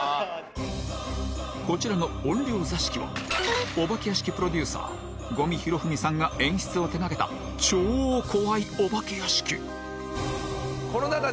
こちらの怨霊座敷はお化け屋敷プロデューサー五味弘文さんが演出を手がけた超怖いお化け屋敷